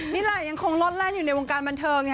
นี่แหละยังคงลดแล่นอยู่ในวงการบันเทิง